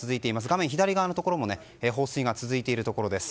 画面左側のところも放水が続いているところです。